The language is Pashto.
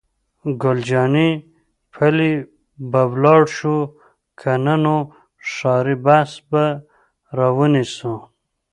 ګل جانې: پلي به ولاړ شو، که نه نو ښاري بس به را ونیسو.